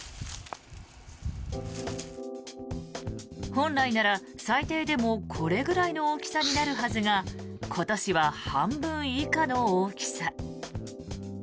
本来なら最低でもこれくらいの大きさになるはずが今年は半分以下の大きさ。